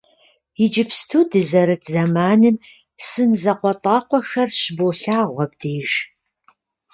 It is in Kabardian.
Иджыпсту дызэрыт зэманым сын закъуэтӏакъуэхэр щыболъагъу абдеж.